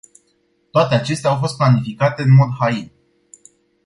Toate acestea au fost planificate în mod hain.